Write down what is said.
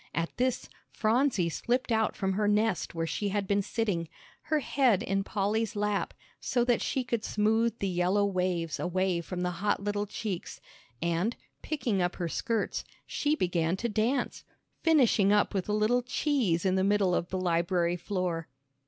At this Phronsie slipped out from her nest where she had been sitting, her head in Polly's lap so that she could smooth the yellow waves away from the hot little cheeks, and, picking up her skirts, she began to dance, finishing up with a little cheese in the middle of the library floor.